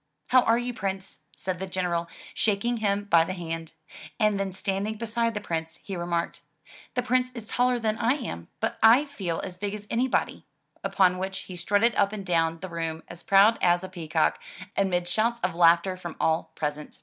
"How are you. Prince,*' said the General, shaking him by the hand; and then standing beside the Prince, he remarked, "The Prince is taller than I am, but I feel as big as anybody,'* upon which he strutted up and down the room as proud as a peacock, amid shouts of laughter from all present.